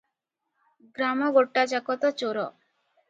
ଗ୍ରାମ ଗୋଟାଯାକ ତ ଚୋର